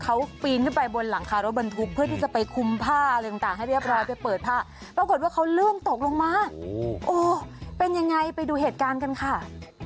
เขาปีนขึ้นไปบนหลังคารถบรรทุกเพื่อที่จะไปคุมผ้าอะไรต่างให้เรียบร้อยไปเปิดผ้าปรากฏว่าเขาลื่นตกลงมาโอ้เป็นยังไงไปดูเหตุการณ์กันค่ะ